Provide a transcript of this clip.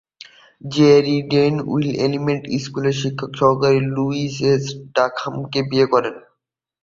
Jerry Denton Elementary স্কুলের শিক্ষক সহকারী লুইস এস ডকহামকে বিয়ে করেন।